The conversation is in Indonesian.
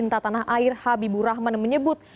dan pembangunan tanah air habibur rahman menyebut